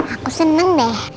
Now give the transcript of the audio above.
aku seneng deh